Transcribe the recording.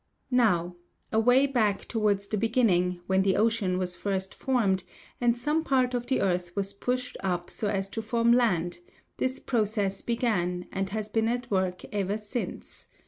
Now, away back towards the beginning, when the ocean was first formed, and some part of the earth was pushed up so as to form land, this process began, and has been at work ever since.